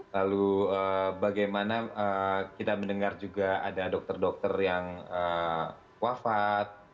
lalu bagaimana kita mendengar juga ada dokter dokter yang wafat